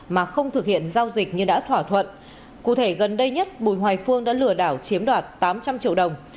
mà không thực hiện giao dịch như đã thỏa thuận cụ thể gần đây nhất bùi hoài phương đã lừa đảo chiếm đoạt tám trăm linh triệu đồng